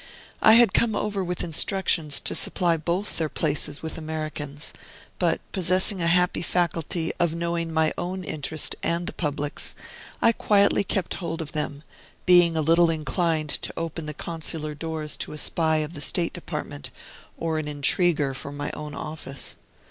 I had come over with instructions to supply both their places with Americans, but, possessing a happy faculty of knowing my own interest and the public's, I quietly kept hold of them, being little inclined to open the consular doors to a spy of the State Department or an intriguer for my own office.